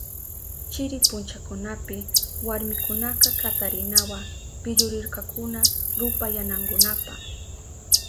Chiri punchakunapi warmikunaka katarinawa pillurirkakuna rupayanankunapa.